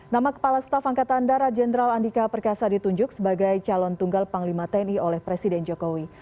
nama kepala staf angkatan darat jenderal andika perkasa ditunjuk sebagai calon tunggal panglima tni oleh presiden jokowi